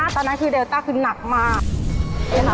ตอนนั้นคือเดลต้าคือหนักมาก